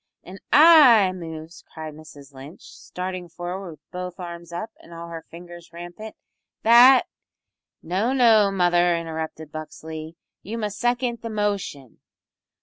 "An' I moves," cried Mrs Lynch, starting forward with both arms up and all her fingers rampant, "that " "No, no, mother," interrupted Buxley, "you must second the motion."